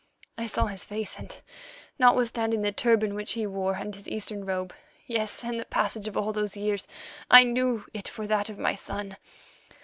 I saw his face and, notwithstanding the turban which he wore and his Eastern robe—yes, and the passage of all those years—I knew it for that of my son.